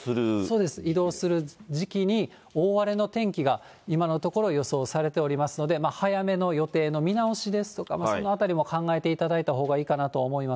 そうです、移動する時期に、大荒れの天気が今のところ予想されておりますので、早めの予定の見直しですとか、そのあたりも考えていただいたほうがいいかなと思います。